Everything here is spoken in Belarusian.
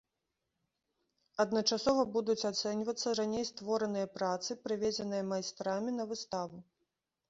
Адначасова будуць ацэньвацца раней створаныя працы, прывезеныя майстрамі на выставу.